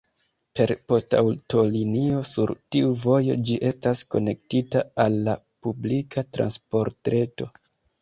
Per poŝtaŭtolinio sur tiu vojo, ĝi estas konektita al la publika transportreto.